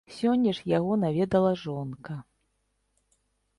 Сёння ж яго наведала жонка.